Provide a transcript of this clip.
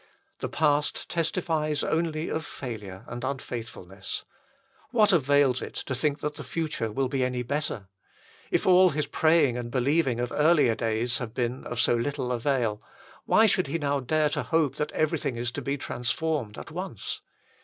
The past testifies only of failure and unfaithful ness. What avails it to think that the future will be any better ? If all his praying and believing of earlier days have been of so little avail, why should he now dare to hope that everything is to be transformed at once